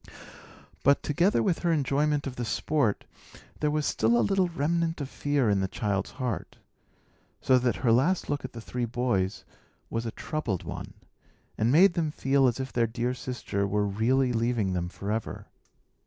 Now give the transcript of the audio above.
But, together with her enjoyment of the sport, there was still a little remnant of fear in the child's heart; so that her last look at the three boys was a troubled one, and made them feel as if their dear sister were really leaving them forever.